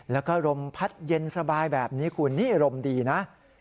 แล้วก็ลมพัดเย็นสบายแบบนี้คุณนี่อารมณ์ดีนะ